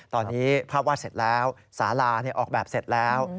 ตอนนี้ภาพวาดเสร็จแล้วสาลาออกแบบเสร็จแล้ว